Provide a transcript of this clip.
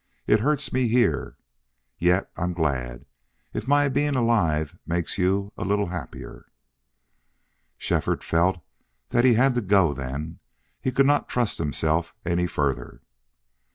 It hurts me here. Yet I'm glad if my being alive makes you a little happier." Shefford felt that he had to go then. He could not trust himself any further.